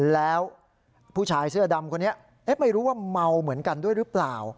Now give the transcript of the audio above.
แล้วผู้ชายเสื้อดำคนนี้ไม่รู้ว่าเมาเหมือนกันด้วยหรือเปล่า